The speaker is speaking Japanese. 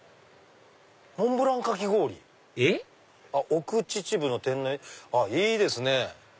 奥秩父の天然いいですね！